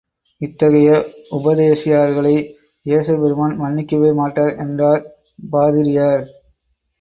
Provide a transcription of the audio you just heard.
இத்தகைய உபதேசியார்களை ஏசுபெருமான் மன்னிக்கவே மாட்டார் என்றார் பாதிரியார்.